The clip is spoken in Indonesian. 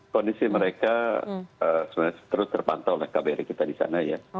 kondisi mereka sebenarnya terus terpantau oleh kbri kita di sana ya